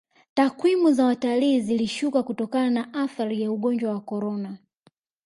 takwimu za watalii zilishuka kutokana na athari ya ugonjwa wa korona